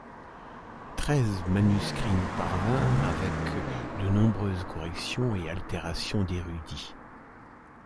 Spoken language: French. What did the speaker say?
Treize manuscrits nous parvinrent, avec de nombreuses corrections et altérations d'érudits.